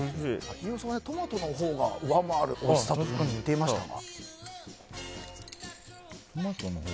飯尾さんはトマトのほうが上回るおいしさだと言っていましたが。